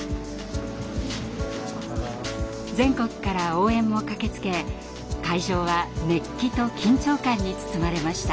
全国から応援も駆けつけ会場は熱気と緊張感に包まれました。